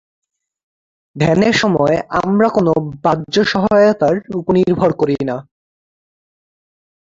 ধ্যানের সময় আমরা কোন বাহ্য সহায়তার উপর নির্ভর করি না।